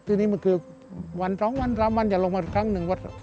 ทีนี้มันคือวัน๒๓วันจะลงมาครั้งหนึ่งวัน